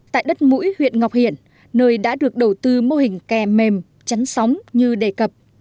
tại đất mũi huyện ngọc hiển nơi đã được đầu tư mô hình kè mềm chắn sóng như đề cập